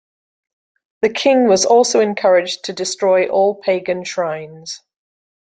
The king was also encouraged to destroy all pagan shrines.